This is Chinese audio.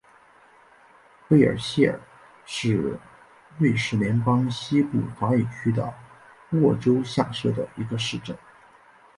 贝尔谢尔是瑞士联邦西部法语区的沃州下设的一个市镇。